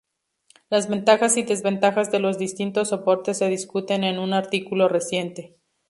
Las ventajas y desventajas de los distintos soportes se discuten en un artículo reciente.